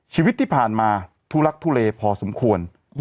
ชีวิตที่ผ่านมาทุลักทุเลพอสมควร